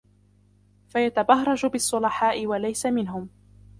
فَيَتَبَهْرَجَ بِالصُّلَحَاءِ وَلَيْسَ مِنْهُمْ